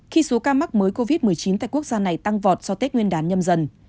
khi số ca mắc mới covid một mươi chín tại quốc gia này tăng vọt do tết nguyên đán nhâm dần